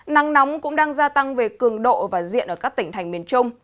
nắng nóng cũng đang gia tăng về cường độ và diện ở các tỉnh thành miền trung